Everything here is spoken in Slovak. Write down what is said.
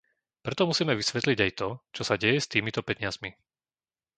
Preto musíme vysvetliť aj to, čo sa deje s týmito peniazmi.